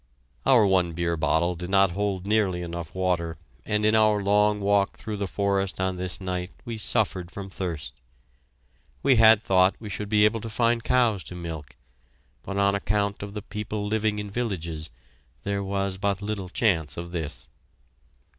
Our one beer bottle did not hold nearly enough water, and in our long walk through the forest on this night we suffered from thirst. We had thought we should be able to find cows to milk, but on account of the people living in villages, there was but little chance of this.